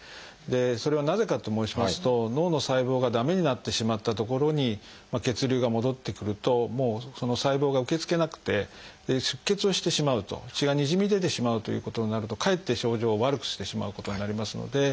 それはなぜかと申しますと脳の細胞が駄目になってしまった所に血流が戻ってくるともうその細胞が受け付けなくて出血をしてしまうと血がにじみ出てしまうということになるとかえって症状を悪くしてしまうことになりますので。